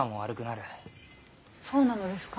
そうなのですか？